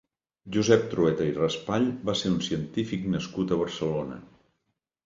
Josep Trueta i Raspall va ser un científic nascut a Barcelona.